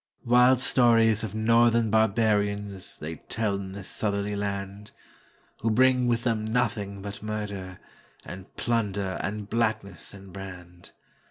"Wild stories of northern barbariansThey tell in this southerly land, Who bring with them nothing but murderAnd plunder and blackness and brand.